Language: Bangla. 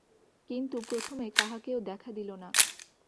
কিন্তু প্রথমে কাহাকেও দেখা দিল না।